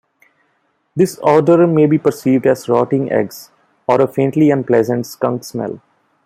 This odor may be perceived as rotting eggs, or a faintly unpleasant skunk smell.